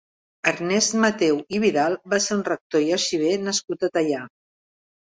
Ernest Mateu i Vidal va ser un rector i arxiver nascut a Teià.